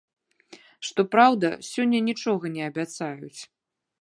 Што праўда, сёння нічога не абяцаюць.